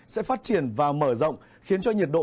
sẽ phát triển và mở rộng khiến cho nhiệt độ